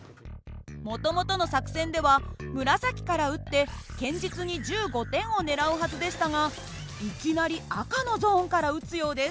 もともとの作戦では紫から撃って堅実に１５点を狙うはずでしたがいきなり赤のゾーンから撃つようです。